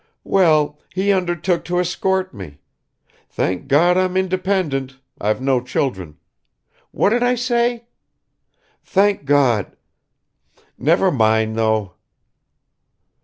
"Well, he undertook to escort me. Thank God I'm independent I've no children ... what did I say? Thank God! Never mind though!"